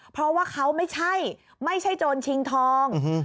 เพราะว่าเขาไม่ใช่ไม่ใช่โจรชิงทอง